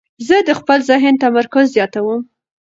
زه د خپل ذهن تمرکز زیاتوم.